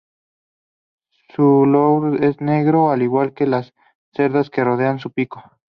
Su lorum es negro, al igual que las cerdas que rodean su pico.